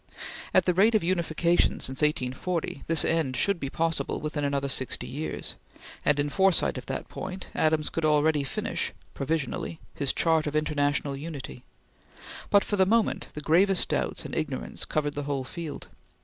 At the rate of unification since 1840, this end should be possible within another sixty years; and, in foresight of that point, Adams could already finish provisionally his chart of international unity; but, for the moment, the gravest doubts and ignorance covered the whole field.